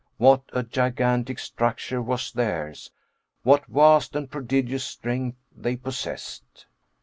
What a gigantic structure was theirs; what vast and prodigious strength they possessed!